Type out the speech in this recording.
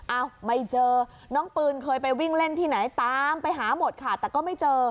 เอ้าไม่เจอน้องปืนเคยไปวิ่งเล่นที่ไหนตามไปหาหมดค่ะแต่ก็ไม่เจอ